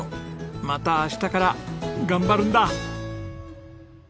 また明日から頑張るんだ！